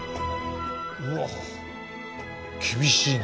うわ厳しいね。